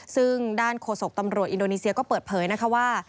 ซึ่งด้านโฆษกตำรวจอินโดนีเซียก็เปิดเผยนะคะว่า